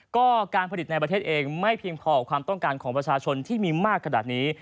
ก็การผลิตในประเทศเองไม่เพียงพอกับความต้องการของประชาชนที่มีมากขนาดนี้